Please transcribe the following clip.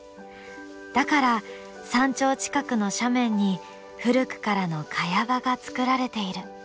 だから山頂近くの斜面に古くからの茅場が作られている。